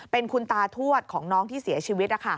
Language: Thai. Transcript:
เป็นคุณตาทวดของน้องที่เสียชีวิต